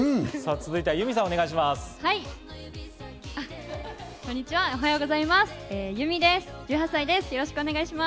続いて結海さん、お願いします。